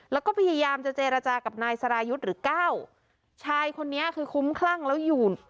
แล้วก็พยายามจะเจรจากับนายสรายุทธ์หรือก้าวชายคนนี้คือคุ้มคลั่งแล้วอยู่